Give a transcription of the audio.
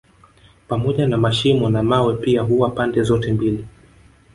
Pamoja na mashimo na mawe pia huwa pande zote mbili